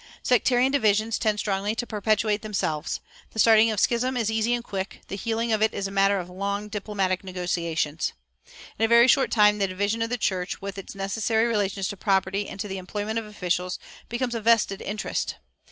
Sectarian divisions tend strongly to perpetuate themselves. The starting of schism is easy and quick; the healing of it is a matter of long diplomatic negotiations. In a very short time the division of the church, with its necessary relations to property and to the employment of officials, becomes a vested interest.